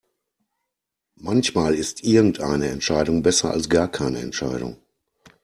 Manchmal ist irgendeine Entscheidung besser als gar keine Entscheidung.